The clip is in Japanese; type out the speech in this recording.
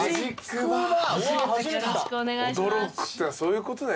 驚くってのはそういうことね。